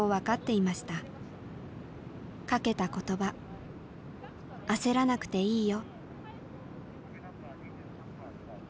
かけた言葉「焦らなくていいよ」。